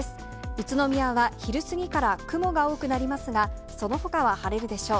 宇都宮は昼過ぎから雲が多くなりますが、そのほかは晴れるでしょう。